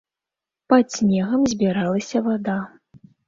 Пад снегам збіралася вада.